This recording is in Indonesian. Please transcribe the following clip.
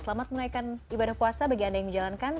selamat menaikkan ibadah puasa bagi anda yang menjalankan